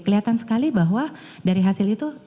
kelihatan sekali bahwa dari hasil itu